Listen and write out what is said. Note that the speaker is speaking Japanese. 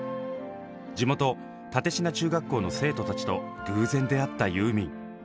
地元立科中学校の生徒たちと偶然出会ったユーミン。